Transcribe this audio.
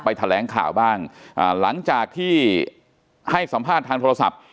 แถลงข่าวบ้างอ่าหลังจากที่ให้สัมภาษณ์ทางโทรศัพท์